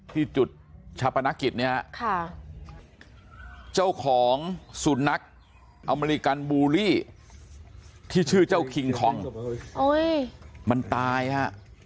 ที่จุดชาปนกิจเนี่ยเจ้าของสุนัขอเมริกันบูลลี่ที่ชื่อเจ้าคิงคองมันตายฮะ